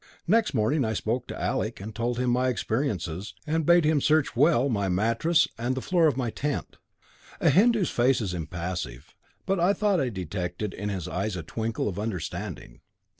Next morning I spoke to Alec, and told him my experiences, and bade him search well my mattress and the floor of my tent. A Hindu's face is impassive, but I thought I detected in his eyes a twinkle of understanding.